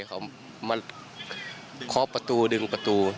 เขามาเคาะประตูดึงประตู